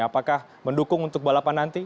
apakah mendukung untuk balapan nanti